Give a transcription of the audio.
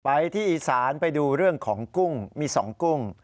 ไปที่อีสานไปดูเรื่องของกุ้งมี๒กุ้ง